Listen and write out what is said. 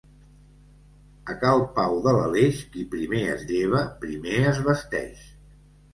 A cal Pau de l'Aleix, qui primer es lleva, primer es vesteix.